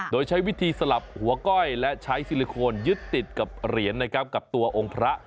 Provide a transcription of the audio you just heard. โดยใช้วิธีสลับหัวก้อยและใช้ซิลิโคนยึดติดกับเหรียญนะครับกับตัวองค์พระ